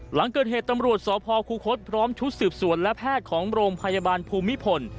หลังเกิดเหตุตำรวจสพคูคศพร้อมชุดสืบสวนและแพทย์ของโรงพยาบาลภูมิพล